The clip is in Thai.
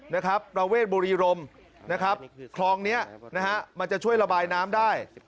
นะครับประเวทบุรีรมนะครับคลองนี้นะฮะมันจะช่วยระบายน้ำได้